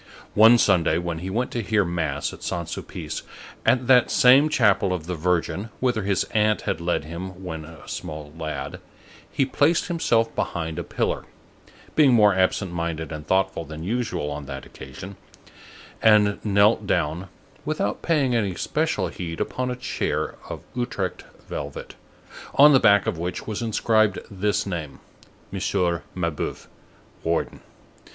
One Sunday, when he went to hear mass at Saint Sulpice, at that same chapel of the Virgin whither his aunt had led him when a small lad, he placed himself behind a pillar, being more absent minded and thoughtful than usual on that occasion, and knelt down, without paying any special heed, upon a chair of Utrecht velvet, on the back of which was inscribed this name: Monsieur Mabeuf, warden.